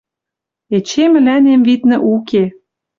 Эче мӹлӓнем, виднӹ, уке.